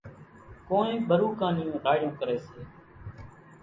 ڪونئين ٻروڪان نِيوُن راڙِيوُن ڪريَ سي۔